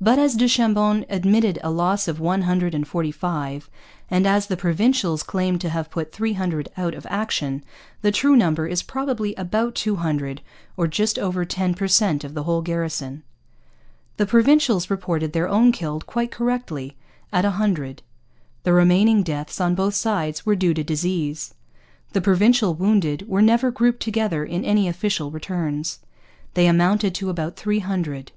But as du Chambon admitted a loss of one hundred and forty five, and as the Provincials claimed to have put three hundred out of action, the true number is probably about two hundred, or just over ten per cent of the whole garrison. The Provincials reported their own killed, quite correctly, at a hundred. The remaining deaths, on both sides, were due to disease. The Provincial wounded were never grouped together in any official returns. They amounted to about three hundred.